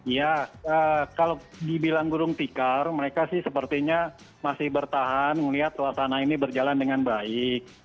ya kalau dibilang burung tikar mereka sih sepertinya masih bertahan melihat suasana ini berjalan dengan baik